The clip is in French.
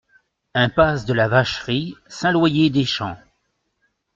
Impasse de la Vacherie, Saint-Loyer-des-Champs